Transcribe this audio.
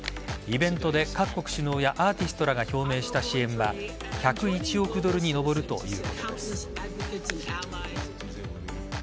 イベントで各国首脳やアーティストらが表明した支援は１０１億ドルに上るということです。